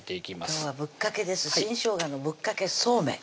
今日はぶっかけです「新生姜のぶっかけそうめん」